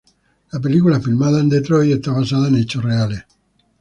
La película, filmada en Detroit, está basada en hechos reales.